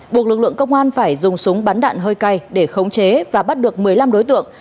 buộc lực lượng công an phải dùng súng bắn đạn hơi cay để khống chế và bắt được một mươi năm đối tượng